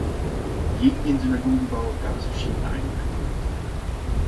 Gegen den Synagogenbau gab es verschiedene Einwände.